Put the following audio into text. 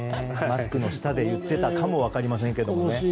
マスクの下で言っていたかも分かりませんけどね。